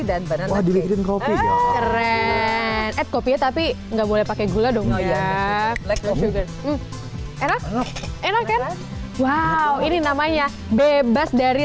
dan banana kek kopinya tapi enggak boleh pakai gula dong enak enak wow ini namanya bebas dari